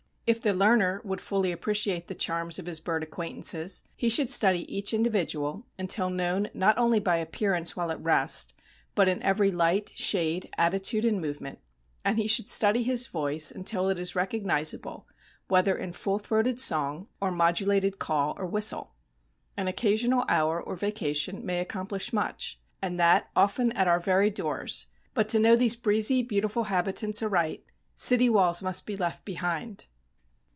If the learner would fully appreciate the charms of his bird acquaintances he should study each individual until known not only by appearance while at rest, but in every light, shade, attitude and movement, and he should study his voice until it is recognizable whether in full throated song or modulated call or whistle. An occasional hour or vacation may accomplish much, and that often at our very doors; but to know these breezy, beautiful habitants aright city walls must be left behind.